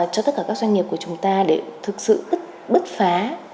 cho tất cả các doanh nghiệp của chúng ta để thực sự bứt phá